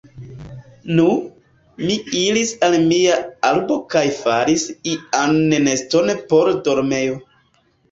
Nu, mi iris al mia arbo kaj faris ian neston por dormejo.